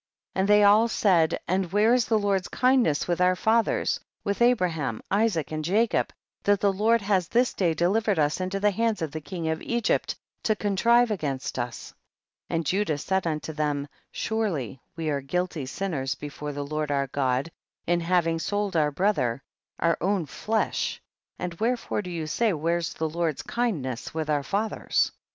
And they all said, and where is the Lord's kindness with our fathers, with Abraham, Isaac and Jacob, that the Jjord has this day delivered us into the hands of the king of Egypt to contrive against us ? 61. And Judah said unto them, surely we are guilty sinners before the Lord our God in having sold our brother, our own flesh, and where fore do you say, where is the Lord's kindness with our fathers